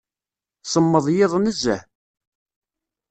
Semmeḍ yiḍ nezzeh.